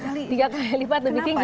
tiga kali lipat lebih tinggi